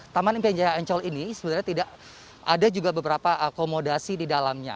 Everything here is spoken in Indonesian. taman impian jaya ancol ini sebenarnya tidak ada juga beberapa akomodasi di dalamnya